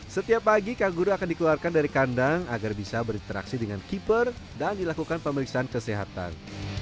setiap pagi kaguru akan dikeluarkan dari kandang agar bisa berinteraksi dengan keeper dan dilakukan pemeriksaan kesehatan